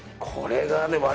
これがね